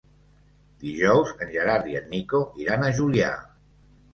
Dijous en Gerard i en Nico iran a Juià.